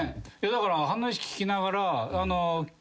だから話聞きながら。